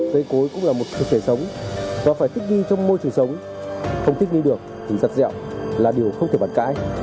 cây cối cũng là một thực thể sống và phải thích nghi trong môi trường sống